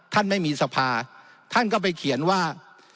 ท่านไม่มีสภาท่านก็ไปเขียนว่า